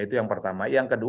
itu yang pertama